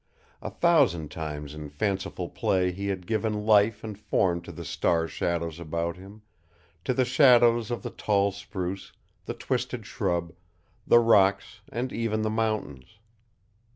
A thousand times in fanciful play he had given life and form to the star shadows about him, to the shadows of the tall spruce, the twisted shrub, the rocks and even the mountains.